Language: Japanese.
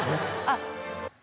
あっ。